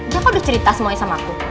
bapak udah cerita semuanya sama aku